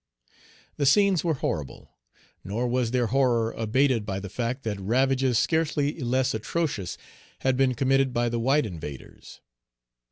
The scenes were horrible. Nor was their horror abated by the fact that ravages scarcely less atrocious had been committed by the white invaders.